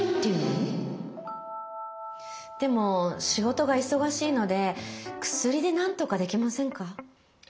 でも仕事が忙しいので薬でなんとかできませんか？